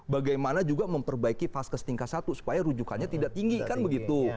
bagaimana juga memperbaiki vaskes tingkat satu supaya rujukannya tidak tinggi kan begitu